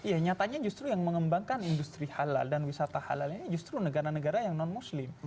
ya nyatanya justru yang mengembangkan industri halal dan wisata halal ini justru negara negara yang non muslim